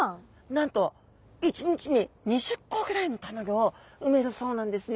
なんと１日に２０個ぐらいのたまギョを産めるそうなんですね。